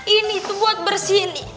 ini tuh buat bersihin